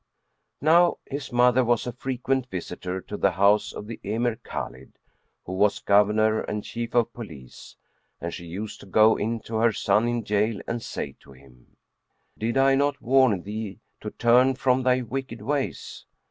Now his mother was a frequent visitor to the house of the Emir Khбlid, who was Governor and Chief of Police; and she used to go in to her son in jail and say to him, "Did I not warn thee to turn from thy wicked ways?''